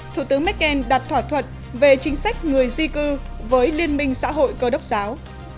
thủ tướng merkel đặt thỏa thuận về chính sách người di cư với liên minh xã hội cơ đốc giáo